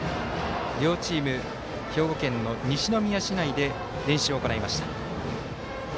両チーム、兵庫県の西宮市内で練習を行いました。